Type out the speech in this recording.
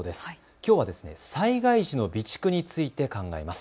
きょうは災害時の備蓄について考えます。